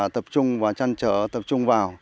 tập trung và chăn trở tập trung vào